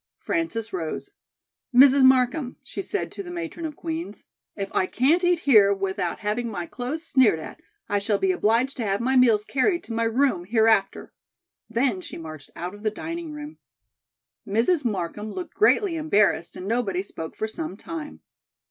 Frances rose. "Mrs. Markham," she said to the matron of Queen's, "if I can't eat here without having my clothes sneered at, I shall be obliged to have my meals carried to my room hereafter." Then she marched out of the dining room. Mrs. Markham looked greatly embarrassed and nobody spoke for some time.